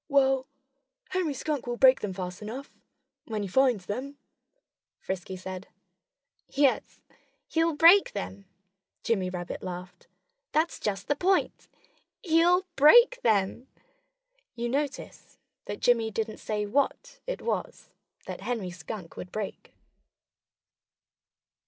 "Well, Henry Skunk will break them fast enough, when he finds them," Frisky said. "Yes, he'll break them!" Jimmy Rabbit laughed. "That's just the point! He'll break them!" You notice that Jimmy didn't say what it was that Henry Skunk would break.